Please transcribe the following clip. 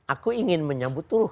aku ingin menyambut turuh